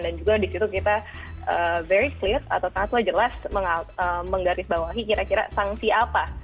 dan juga disitu kita very clear atau sangatlah jelas menggarisbawahi kira kira sanksi apa